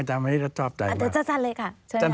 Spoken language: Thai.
อาจารย์มันนี่จะชอบใจไหม